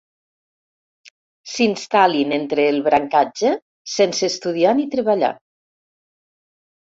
S'instal·lin entre el brancatge sense estudiar ni treballar.